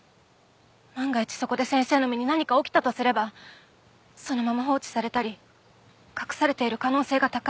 万が一そこで先生の身に何か起きたとすればそのまま放置されたり隠されている可能性が高い。